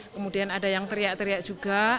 kemudian ada yang teriak teriak juga